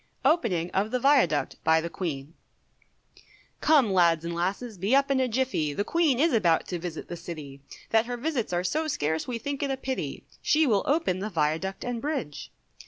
OPENING OF THE VIADUCT BY THE QUEEN. Come lads and lasses, be up in a jiffy, The Queen is about to visit the City, That her visits are so scarce, we think it a pity, She will open the Viaduct and Bridge.